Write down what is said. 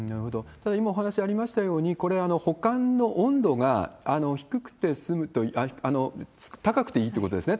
ただ、今お話ありましたように、これ、保管の温度が高くていいということですよね。